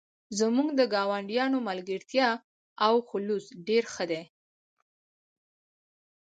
زموږ د ګاونډیانو ملګرتیا او خلوص ډیر ښه و